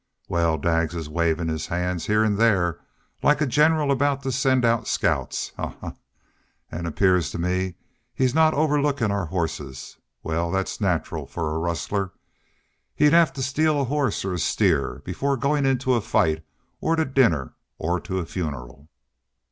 "Wal, Daggs is wavin' his hand heah an' there, like a general aboot to send out scouts. Haw haw! ... An' 'pears to me he's not overlookin' our hosses. Wal, that's natural for a rustler. He'd have to steal a hoss or a steer before goin' into a fight or to dinner or to a funeral."